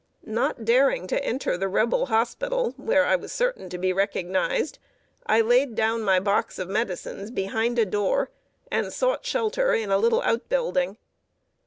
Not daring to enter the Rebel hospital, where I was certain to be recognized, I laid down my box of medicines behind a door, and sought shelter in a little outbuilding.